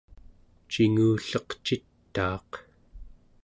cingulleqcitaaq